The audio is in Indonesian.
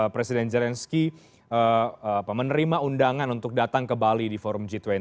presiden zelensky menerima undangan untuk datang ke bali di forum g dua puluh